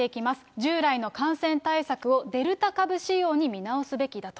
従来の感染対策をデルタ株仕様に見直すべきだと。